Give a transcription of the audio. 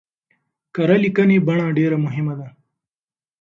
کره ليکنۍ بڼه ډېره مهمه ده.